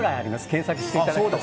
検索していただくと。